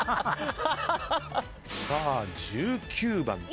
さあ１９番。